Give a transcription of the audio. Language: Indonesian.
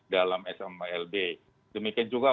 dalam smlb demikian juga